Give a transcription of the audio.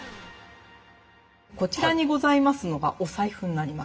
こちらにございますのがお財布になります。